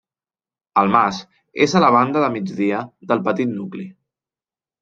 El mas és a la banda de migdia del petit nucli.